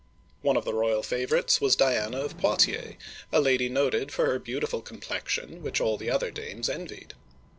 One of the royal favorites was Dian'a of Poitiers, a lady noted for her beautiful complexion which all the other dames envied.